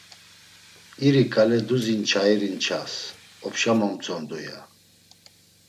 İri ǩale duzi nçairi nças opşa momtzondu, ya.